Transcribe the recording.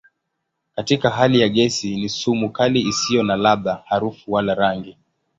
Katika hali ya gesi ni sumu kali isiyo na ladha, harufu wala rangi.